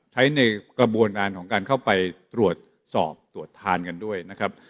ใช้ในกระบวนการของการเข้าไปตรวจสอบตรวจทานกันด้วยนะครับ